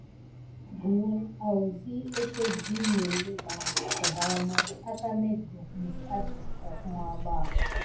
Bəwəne awzi akét binéŋɗé pak, kədawmas aka mécgok məs adəf tatuwa ɓa.